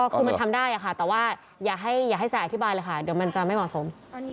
คือมันทำได้ค่ะแต่ว่าอย่าให้สายอธิบายเลยค่ะเดี๋ยวมันจะไม่เหมาะสม